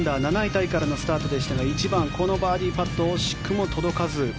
タイからのスタートでしたが１番、このバーディーパット惜しくも届かず。